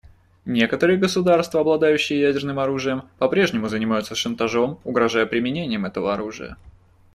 Некоторые государства, обладающие ядерным оружием, по-прежнему занимаются шантажом, угрожая применением этого оружия.